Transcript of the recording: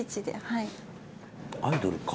アイドルか。